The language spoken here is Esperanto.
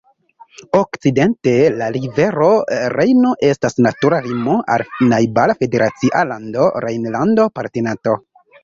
Okcidente la rivero Rejno estas natura limo al la najbara federacia lando Rejnlando-Palatinato.